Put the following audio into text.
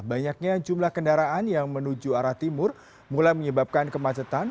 banyaknya jumlah kendaraan yang menuju arah timur mulai menyebabkan kemacetan